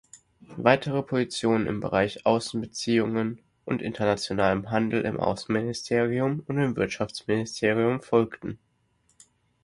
Weitere Positionen im Bereich Außenbeziehungen und internationalem Handel im Außenministerium und im Wirtschaftsministerium folgten.